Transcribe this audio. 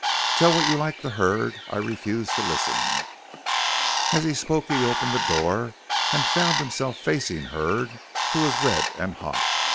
"Tell what you like to Hurd. I refuse to listen." As he spoke he opened the door and found himself facing Hurd who was red and hot.